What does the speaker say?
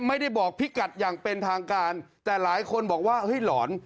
ไม่ได้บอกพี่กัดอย่างเป็นทางการแต่หลายคนบอกว่าเฮ้ยหลอน